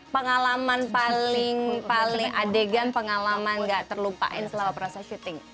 pengalaman paling adegan pengalaman gak terlupain selama proses syuting